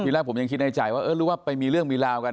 แรกผมยังคิดในใจว่าเออหรือว่าไปมีเรื่องมีราวกัน